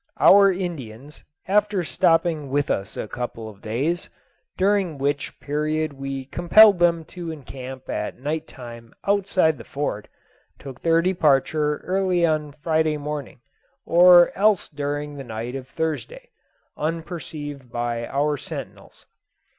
Our Indians, after stopping with us a couple of days, during which period we compelled them to encamp at night time outside the fort, took their departure early on Friday morning, or else during the night of Thursday, unperceived by our sentinels.